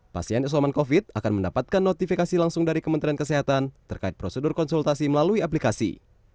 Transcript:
pasien isoman covid akan mendapatkan notifikasi langsung dari kementerian kesehatan terkait prosedur konsultasi melalui aplikasi